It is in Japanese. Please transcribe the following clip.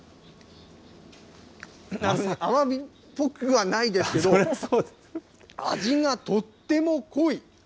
アワビっぽくはないですけど、味がとっても濃い。